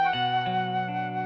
kamu juga sama